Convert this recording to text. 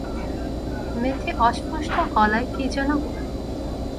মেয়েটি অস্ফুট গলায় কী-যেন বলল।